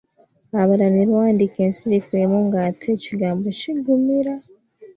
Abalala ne bawandiika ensirifu emu nga ate ekigambo kiggumira.